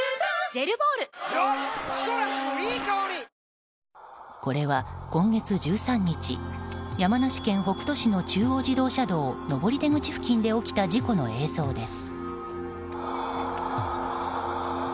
「アロマリッチ」これは今月１３日山梨県北杜市の中央自動車道上り出口付近で起きた事故の映像です。